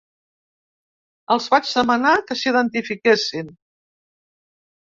Els vaig demanar que s’identifiquessin.